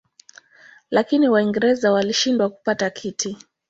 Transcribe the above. Lakini Waingereza walishindwa kupata kiti.